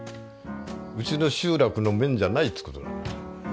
うちの集落の面じゃないっつう事なのよ。